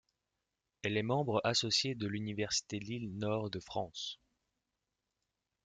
Elle est membre associé de l'université Lille Nord de France.